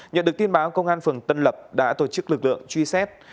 nhận được tin báo công an phường tân lập đã tổ chức lực lượng truy xét